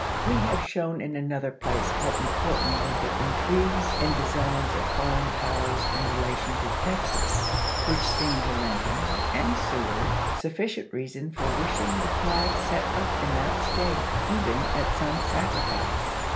We have shown in another place how important were the intrigues and designs of foreign powers in relation to Texas, which seemed to Lincoln and Seward sufficient reason for wishing the flag set up in that State, even at some sacrifice.